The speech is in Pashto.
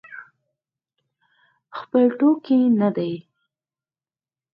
خپل ټوکي نه دی.